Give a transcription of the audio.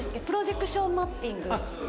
プロジェクションマッピング？